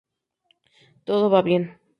Todo va bien.